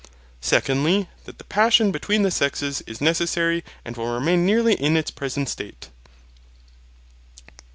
Secondly, That the passion between the sexes is necessary and will remain nearly in its present state.